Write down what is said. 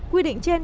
quy định trên